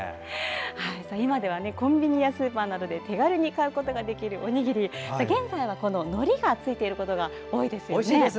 今ではコンビニやスーパーなどで手軽に買うことができるおにぎり現在は、のりがついていることが多いですよね。